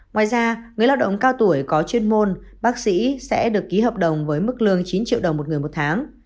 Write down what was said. ngoài ra người lao động cao tuổi có chuyên môn bác sĩ sẽ được ký hợp đồng với mức lương chín triệu đồng một người một tháng